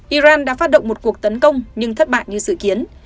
iran đã phát động một cuộc tấn công nhưng thất bại như dự kiến